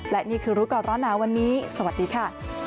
และนี่คือรู้ก่อนร้อนหนาวันนี้สวัสดีค่ะ